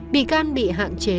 bị can bị hạn chế